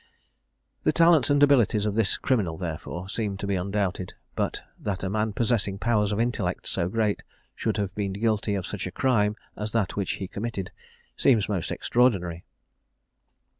The talents and abilities of this criminal, therefore, seem to be undoubted; but that a man possessing powers of intellect so great should have been guilty of such a crime as that which he committed, seems most extraordinary.